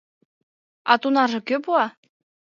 А тунарже кӧ пуа?